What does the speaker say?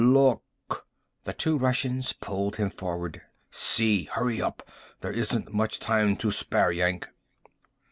"Look!" The two Russians pulled him forward. "See. Hurry up. There isn't much time to spare, Yank!"